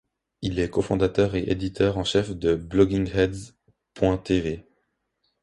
Il est cofondateur et éditeur en chef de Bloggingheads.tv.